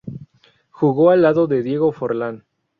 Jugó al lado de Diego Forlán.